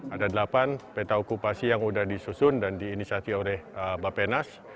ada delapan peta okupasi yang sudah disusun dan diinisiatifkan oleh bapak penas